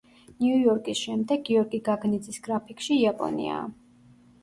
ნიუ-იორკის შემდეგ, გიორგი გაგნიძის გრაფიკში იაპონიაა.